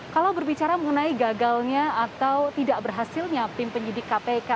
kalau berbicara mengenai gagalnya atau tidak berhasilnya tim penyidik kpk